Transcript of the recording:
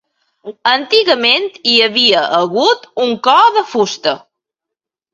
Antigament hi havia hagut un cor de fusta.